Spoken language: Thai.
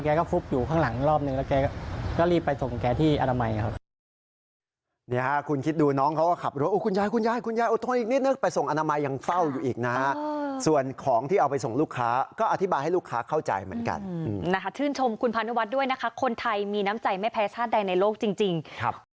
ก็ฟุบอยู่ข้างหลังอีกรอบนึงแล้วแกก็รีบไปส่งแกที่อนามัยครับ